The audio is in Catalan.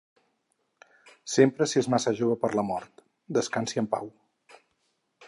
Sempre s’és massa jove per la mort… descansi en pau.